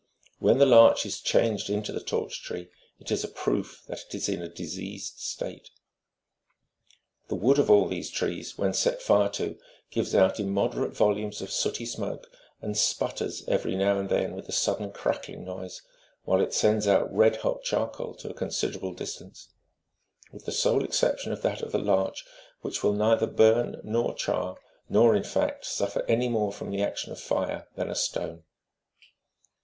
When the larch22 is changed into the torch tree, it is a proof that it is in a diseased state. The wood of all these trees, when set fire to, gives out im moderate volumes of sooty smoke,23 and sputters every now and then with a sudden crackling noise, while it sends out red hot charcoal to a considerable distance — with the sole exception of that of the larch, which will neither burn24 nor char, nor, in fact, suffer any more from the action of fire than a stone.